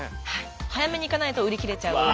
早めに行かないと売り切れちゃうので。